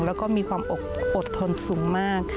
แล้วก็มีความอดทนสูงมาก